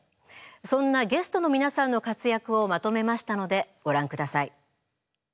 そんなゲストの皆さんの活躍をまとめましたのでご覧ください。